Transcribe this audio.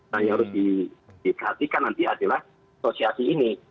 hanya harus diperhatikan nanti adalah asosiasi ini